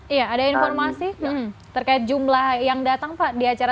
iya ada informasi terkait jumlah yang datang pak di acara